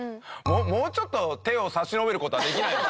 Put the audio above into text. もうちょっと手を差し伸べる事はできないんですか？